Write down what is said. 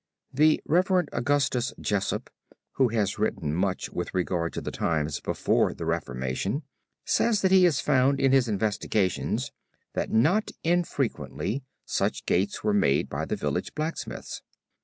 The Reverend Augustus Jessopp who has written much with regard to the times before the Reformation, says that he has found in his investigations, that not infrequently such gates were made by the village blacksmiths.